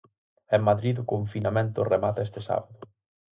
En Madrid o confinamento remata este sábado.